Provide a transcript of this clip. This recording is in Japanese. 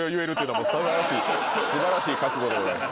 素晴らしい覚悟でございます。